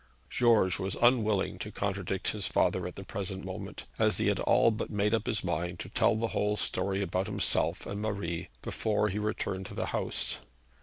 George was unwilling to contradict his father at the present moment, as he had all but made up his mind to tell the whole story about himself and Marie before he returned to the house.